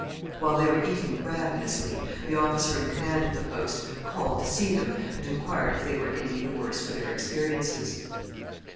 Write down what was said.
While they were eating ravenously, the officer in command of the post called to see them and inquired if they were any the worse for their experiences.